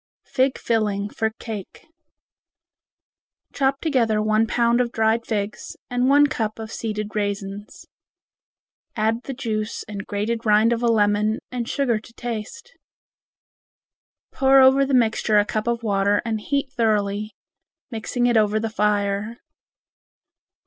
Fig Filling for Cake Chop together one pound of dried figs and one cup of seeded raisins. Add the juice and grated rind of a lemon and sugar to taste. Pour over the mixture a cup of water and heat thoroughly, mixing it over the fire.